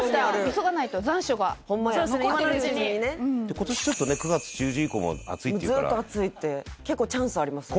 急がないと今年ちょっとね９月中旬以降も暑いっていうから結構チャンスありますね